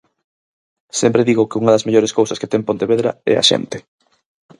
Sempre digo que unha das mellores cousas que ten Pontevedra é a xente.